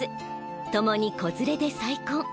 ともに子連れで再婚。